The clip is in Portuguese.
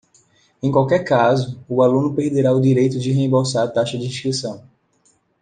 Em qualquer caso, o aluno perderá o direito de reembolsar a taxa de inscrição.